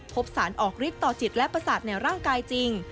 พบสารออกฤทธิต่อจิตและประสาทในร่างกายจริง